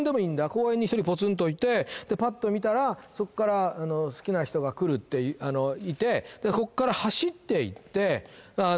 公園に一人ポツンといてでパッと見たらそっから好きな人が来るっていてこっから走って行って見つけてね